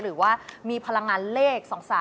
หรือว่ามีพลังงานเลข๒๓